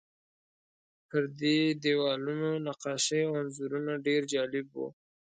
پر دې دیوالونو نقاشۍ او انځورونه ډېر جالب وو.